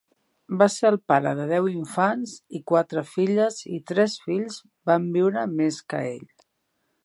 Va ser el pare de deu infants i quatre filles i tres fills van viure més que ell.